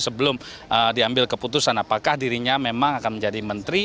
sebelum diambil keputusan apakah dirinya memang akan menjadi menteri